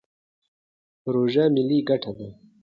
پروژه ملي ګټه ده.